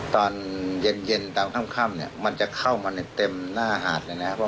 ตอนเย็นตามค่ำเนี่ยมันจะเข้ามาในเต็มหน้าหาดเลยนะครับ